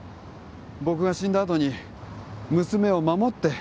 僕が死んだあとに娘を守って